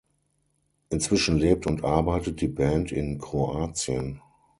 Inzwischen lebt und arbeitet die Band in Kroatien.